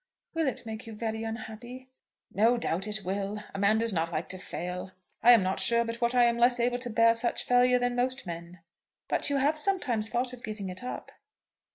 "Will it make you very unhappy?" "No doubt it will. A man does not like to fail. I am not sure but what I am less able to bear such failure than most men." "But you have sometimes thought of giving it up."